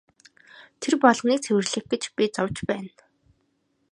Тэр болгоныг цэвэрлэх гэж би зовж байна.